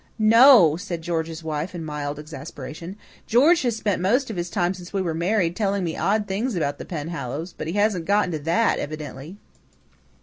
"No," said George's wife in mild exasperation. "George has spent most of his time since we were married telling me odd things about the Penhallows, but he hasn't got to that yet, evidently."